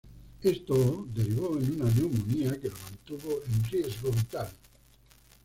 Esto derivó en una neumonía que lo mantuvo en riesgo vital.